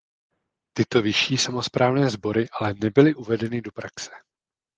Tyto vyšší samosprávné sbory ale nebyly uvedeny do praxe.